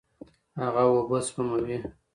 هغه اوبه سپموي.